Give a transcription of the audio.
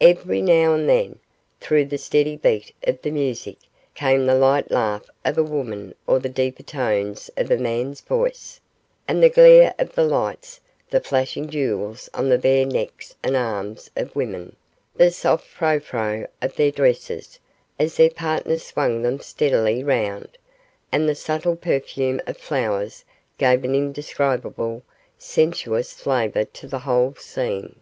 Every now and then, through the steady beat of the music, came the light laugh of a woman or the deeper tones of a man's voice; and the glare of the lights, the flashing jewels on the bare necks and arms of women, the soft frou frou of their dresses, as their partners swung them steadily round, and the subtle perfume of flowers gave an indescribable sensuous flavour to the whole scene.